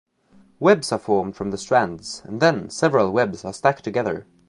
Webs are formed from the strands and then several webs are stacked together.